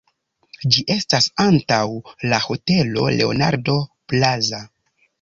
Ĝi estas antaŭ la Hotelo Leonardo Plaza.